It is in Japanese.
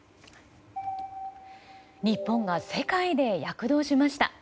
日本が世界で躍動しました。